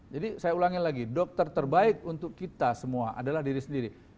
jadi saya ulangi lagi dokter terbaik untuk kita semua adalah diri sendiri